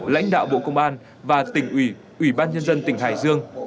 lãnh đạo bộ công an và tỉnh ủy ủy ban nhân dân tỉnh hải dương